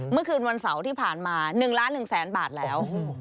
เมื่อคืนวันเสาร์ที่ผ่านมา๑ล้าน๑แสนบาทแล้ว